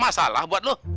masalah buat lo